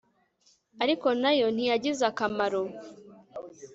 ariko na yo ntiyagize akamaro